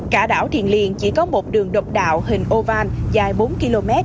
cả đảo thiền liên chỉ có một đường độc đạo hình oval dài bốn km